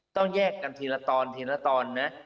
ต้องแยกกันทีละตอนทีละตอนนะ